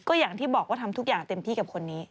ก็อย่างที่บอกว่าทำทุกอย่างเต็มที่กับคนนี้